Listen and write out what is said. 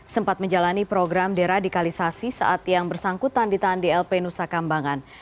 sempat menjalani program deradikalisasi saat yang bersangkutan ditahan di lp nusa kambangan